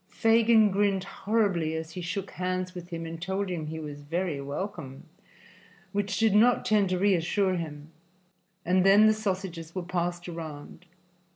Fagin grinned horribly as he shook hands with him and told him he was very welcome, which did not tend to reassure him, and then the sausages were passed around.